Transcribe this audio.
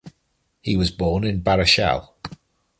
He was born in Barishal.